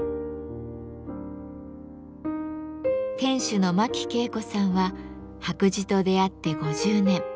店主の真木啓子さんは白磁と出会って５０年。